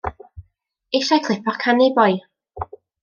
Eisiau clip o'r canu, boi.